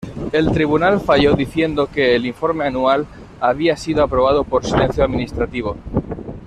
El tribunal falló diciendo que el informe anual había sido aprobado por silencio administrativo.